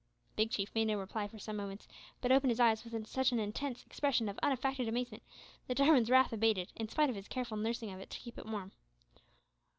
Big Chief made no reply for some moments, but opened his eyes with such an intense expression of unaffected amazement, that Jarwin's wrath abated, in spite of his careful nursing of it to keep it warm.